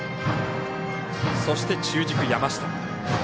そして、中軸、山下。